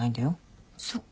そっか。